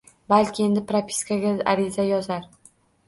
Balki Endi propiskaga ariza yozar